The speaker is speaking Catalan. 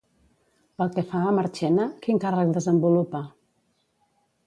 Pel que fa a Marchena, quin càrrec desenvolupa?